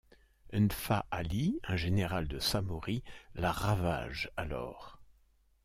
N'fa Ali, un général de Samory la ravage alors.